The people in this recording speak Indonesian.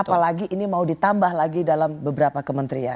apalagi ini mau ditambah lagi dalam beberapa kementerian